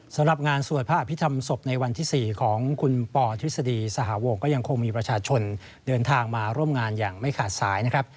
สำหรับงานสวดพระอภิษฐรรมศพในวันที่๔ของคุณปอทฤษฎีสหวงก็ยังคงมีประชาชนเดินทางมาร่วมงานอย่างไม่ขาดสายนะครับ